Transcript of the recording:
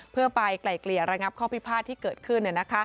เพื่อไปไกล่เกลี่ยระงับข้อพิพาทที่เกิดขึ้น